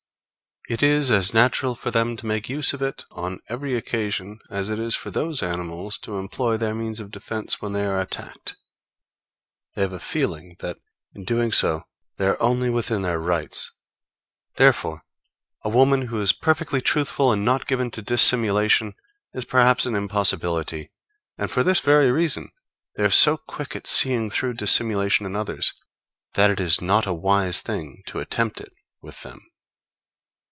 It is as natural for them to make use of it on every occasion as it is for those animals to employ their means of defence when they are attacked; they have a feeling that in doing so they are only within their rights. Therefore a woman who is perfectly truthful and not given to dissimulation is perhaps an impossibility, and for this very reason they are so quick at seeing through dissimulation in others that it is not a wise thing to attempt it with them.